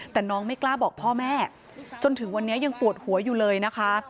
แต่น้องไม่กล้าบอกพ่อแม่จนถึงวันนี้ยังปวดหัวอยู่เลยนะคะ